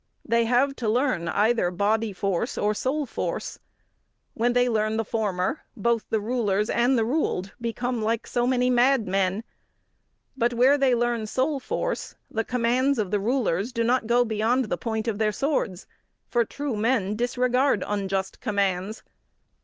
They have to learn either body force or soul force. Where they learn the former, both the rulers and the ruled become like so many mad men, but, where they learn soul force, the commands of the rulers do not go beyond the point of their swords, for true men disregard unjust commands.